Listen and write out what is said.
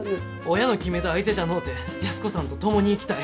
親の決めた相手じゃのうて安子さんと共に生きたい。